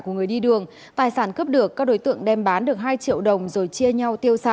của người đi đường tài sản cướp được các đối tượng đem bán được hai triệu đồng rồi chia nhau tiêu xài